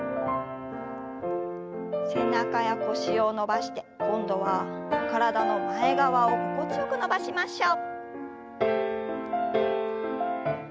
背中や腰を伸ばして今度は体の前側を心地よく伸ばしましょう。